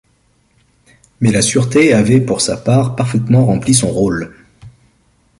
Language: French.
Mais la sûreté avait, pour sa part, parfaitement rempli son rôle.